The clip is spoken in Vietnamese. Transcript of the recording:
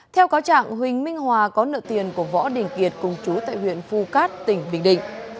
theo cáo trạng huỳnh minh hòa có nợ tiền của võ đình kiệt cùng chú tại huyện phu cát tỉnh bình định